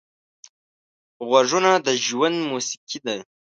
غږونه د ژوند موسیقي ده